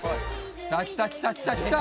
来た来た来た来た！